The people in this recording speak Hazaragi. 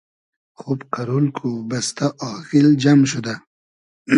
خوب قئرول کو، بئستۂ آغیل جئم شودۂ